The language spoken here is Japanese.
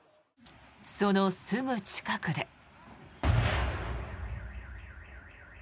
そのすぐ近くで。